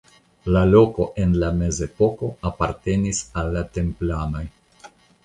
La loko en la Mezepoko apartenis al la Templanoj.